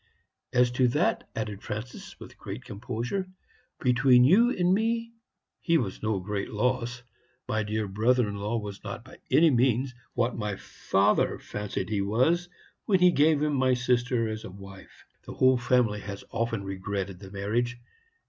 "'As to that,' added Francis, with great composure 'between you and me, he was no great loss. My dear brother in law was not by any means what my father fancied he was when he gave him my sister as a wife. The whole family has often regretted the marriage.